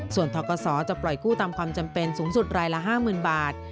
ส่วนทกศจะปล่อยกู้ตามความจำเป็นสูงสุดรายละ๕๐๐๐บาท